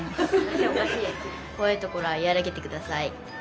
こわいところはやわらげてください。